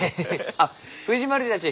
あっ藤丸じゃち